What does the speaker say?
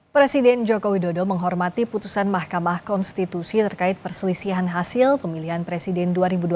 presiden joko widodo menghormati putusan mahkamah konstitusi terkait perselisihan hasil pemilihan presiden dua ribu dua puluh